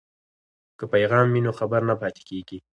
که پیغام وي نو خبر نه پاتې کیږي.